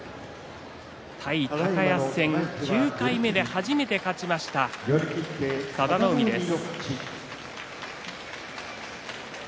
対高安戦、９回目で初めて勝ちました佐田の海です。